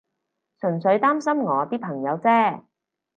純粹擔心我啲朋友啫